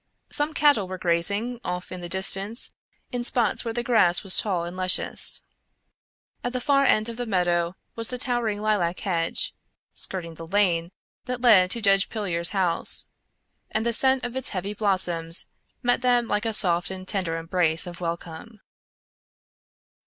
Some cattle were grazing off in the distance in spots where the grass was tall and luscious. At the far end of the meadow was the towering lilac hedge, skirting the lane that led to Judge Pillier's house, and the scent of its heavy blossoms met them like a soft and tender embrace of welcome.